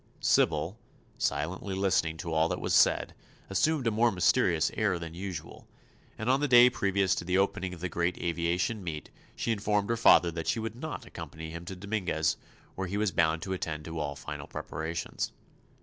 Sybil, silently listening to all that was said, assumed a more mysterious air than usual, and on the day previous to the opening of the great aviation meet she informed her father that she would not accompany him to Dominguez, where he was bound to attend to all final preparations.